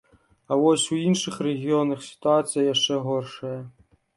А вось у іншых рэгіёнах сітуацыя яшчэ горшая.